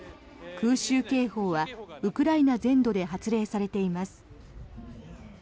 空襲警報はウクライナ全土で発令されています。